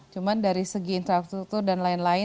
cuma dari segi infrastruktur dan lain lain